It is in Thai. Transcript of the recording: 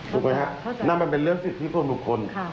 ถูกไหมครับนั่นมันเป็นเรื่องสิทธิส่วนบุคคล